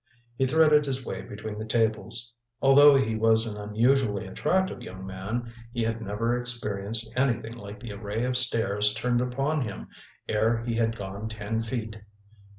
He threaded his way between the tables. Although he was an unusually attractive young man, he had never experienced anything like the array of stares turned upon him ere he had gone ten feet.